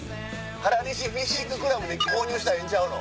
原西フィッシングクラブで購入したらええんちゃうの？